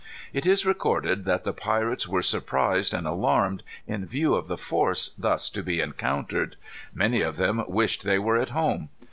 It is recorded that the pirates were surprised and alarmed in view of the force thus to be encountered. Many of them wished they were at home.